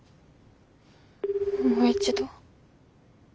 もう一度。